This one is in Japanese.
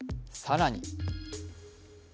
更に